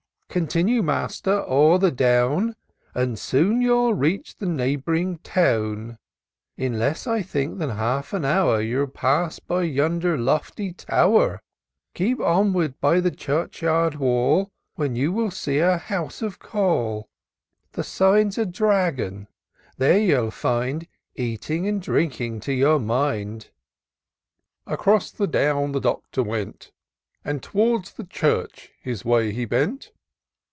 " Continue, Master, o'er the Down, And soon you'll reach the neighb'ring town : In less, I think, than half an hour. You'll pass by yonder lofty tow'r ; Keep onward by the church yard wall. When you will see a house of call ; The sign's a Dragon— there you'll find Eating and drinking to your mind." Across the Down the Doctor went, And towards the church his way he bent.